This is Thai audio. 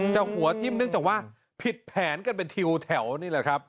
หัวทิ่มเนื่องจากว่าผิดแผนกันเป็นทิวแถวนี่แหละครับ